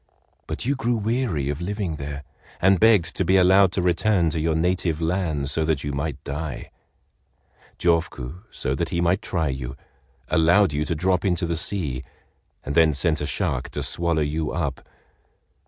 But you grew weary of living there, and begged to be allowed to return to your native land so that you might die. Jofuku, so that he might try you, allowed you to drop into the sea, and then sent a shark to swallow you up.